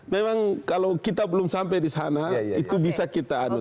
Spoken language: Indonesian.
memang kalau kita belum sampai di sana itu bisa kita anu